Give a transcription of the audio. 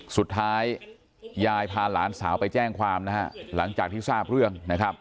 สุดท้ายยายพาหลานสาวไปแจ้งความนะฮะหลังจากที่ทราบเรื่องนะครับ